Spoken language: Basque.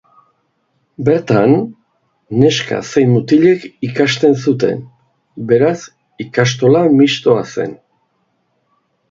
Bertan, neska zein mutilek ikasten zuten, beraz ikastola mistoa zen.